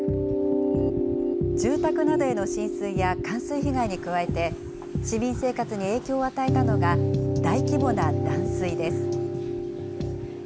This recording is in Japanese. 住宅などへの浸水や冠水被害に加えて、市民生活に影響を与えたのが、大規模な断水です。